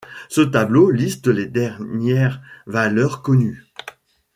Ce tableau liste les dernières valeurs connues.